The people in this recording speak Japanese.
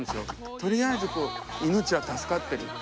とりあえずこう命は助かってるって。